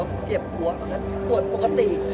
เก็บหัวกับปวดปกติ